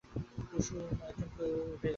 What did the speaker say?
কুমু চমকে উঠে বসল।